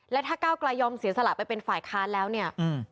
และถ้าก้าวกลายยอมเสียสละไปเป็นฝ่ายค้านแล้วเนี่ย